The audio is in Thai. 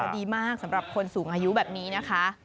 ดีมากสำหรับคนสูงอายุแบบนี้นะคะ